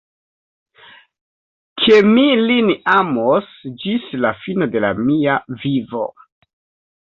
Ke mi lin amos ĝis la fino de mia vivo.